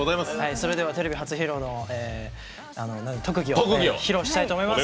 それではテレビ初披露の特技を披露したいと思います。